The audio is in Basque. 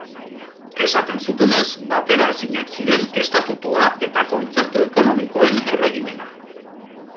Esaten zutenez, bateraezinak ziren Estatutua eta Kontzertu Ekonomikoen erregimena.